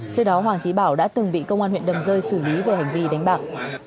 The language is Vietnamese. trước đó hoàng trí bảo đã từng bị công an huyện đầm rơi xử lý về hành vi đánh bạc